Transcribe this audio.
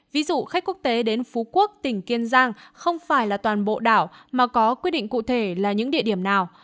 ví dụ khách quốc tế đến phú quốc tỉnh kiên giang không phải là toàn bộ đảo mà có quy định cụ thể là những địa điểm nào